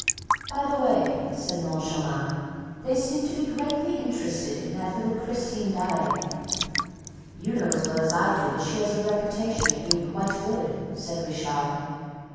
"By the way," said Moncharmin, "they seem to be greatly interested in that little Christine Daae!" "You know as well as I do that she has the reputation of being quite good," said Richard.